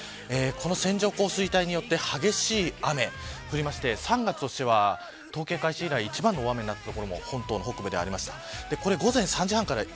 線状降水帯によって激しい雨、降りまして３月としては統計開始以来一番の大雨となった所も本島の北部でありました。